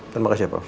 terima kasih prof